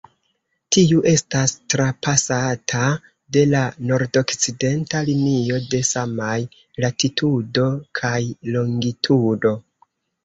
Tiu estas trapasata de la nordokcidenta linio de samaj latitudo kaj longitudo.